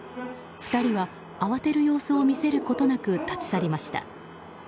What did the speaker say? ２人は慌てる様子を見せることなく立ち去りました。